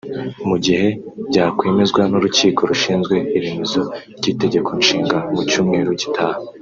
Mu gihe byakwemezwa n’urukiko rushinzwe iremezo ry’itegeko nshinga mu cyumweru gitaha